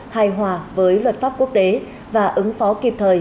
hài hòa với luật pháp quốc tế và ứng phó kịp thời